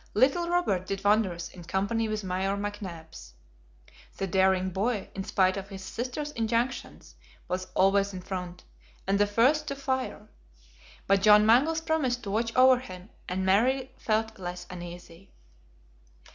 Little Robert did wonders in company with Major McNabbs. The daring boy, in spite of his sister's injunctions, was always in front, and the first to fire. But John Mangles promised to watch over him, and Mary felt less uneasy.